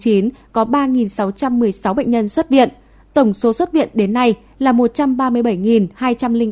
trong ngày tám chín có ba sáu trăm một mươi sáu bệnh nhân xuất viện tổng số xuất viện đến nay là một trăm ba mươi bảy hai trăm linh tám bệnh nhân